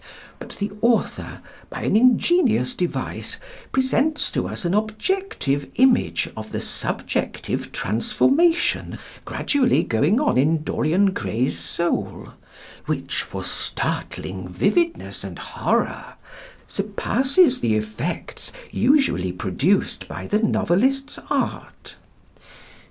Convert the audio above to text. But the author by an ingenious device presents to us an objective image of the subjective transformation gradually going on in Dorian Gray's soul, which, for startling vividness and horror, surpasses the effects usually produced by the novelist's art.